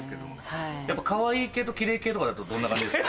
やっぱかわいい系とキレイ系とかだとどんな感じですか？